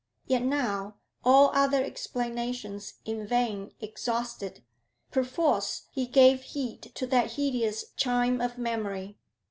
Yet now, all other explanations in vain exhausted, perforce he gave heed to that hideous chime of memory.